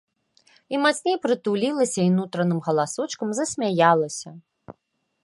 І мацней прытулілася, і нутраным галасочкам засмяялася.